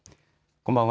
こんばんは。